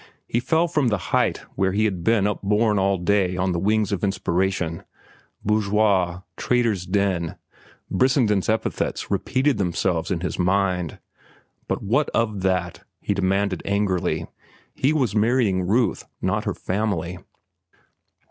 He fell from the height where he had been up borne all day on the wings of inspiration. "Bourgeois," "trader's den"—Brissenden's epithets repeated themselves in his mind. But what of that? he demanded angrily. He was marrying Ruth, not her family.